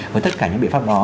với tất cả những biện pháp đó